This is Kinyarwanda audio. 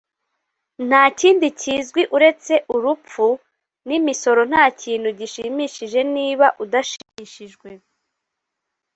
ntakindi kizwi uretse urupfu n'imisorontakintu gishimishije niba udashimishijwe